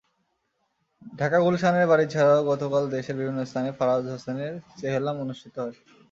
ঢাকার গুলশানের বাড়ি ছাড়াও গতকাল দেশের বিভিন্ন স্থানে ফারাজ হোসেনের চেহলাম অনুষ্ঠিত হয়।